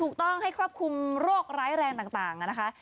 ถูกต้องให้ครอบคลุมโรคร้ายแรงต่างนะคะ